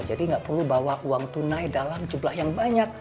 jadi nggak perlu bawa uang tunai dalam jumlah yang banyak